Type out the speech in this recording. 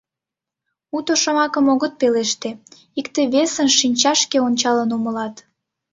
Уто шомакым огыт пелеште, икте-весым шинчашке ончалын умылат.